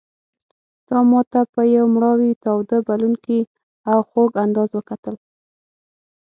تا ماته په یو مړاوي تاوده بلوونکي او خوږ انداز وکتل.